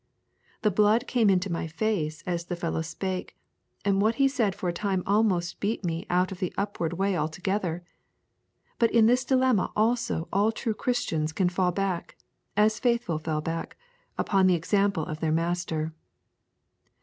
The blood came into my face as the fellow spake, and what he said for a time almost beat me out of the upward way altogether. But in this dilemma also all true Christians can fall back, as Faithful fell back, upon the example of their Master.